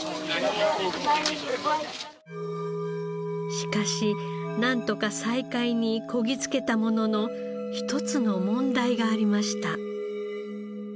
しかしなんとか再開にこぎつけたものの一つの問題がありました。